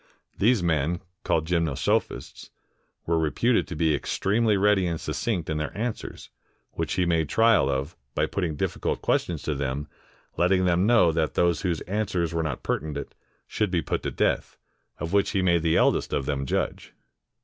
These men, called Gymnosophists, were reputed to be extremely ready and succinct in their answers, which he made trial of, by putting difficult questions to them, letting them know that those whose answers were not pertinent, should be put to death, of which he made the eldest of them judge.